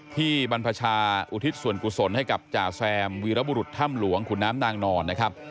บรรพชาอุทิศส่วนกุศลให้กับจ่าแซมวีรบุรุษถ้ำหลวงขุนน้ำนางนอนนะครับ